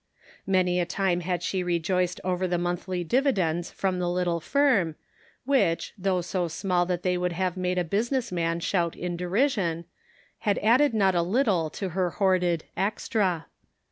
Many a time had she rejoiced over the monthly dividends from the little firm, which, though so small that they would have made a business man shout in derision, had added not a little to her hoarded "extra."